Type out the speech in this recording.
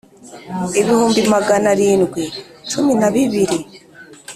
ibihumbi magana arindwi cumi na bibiri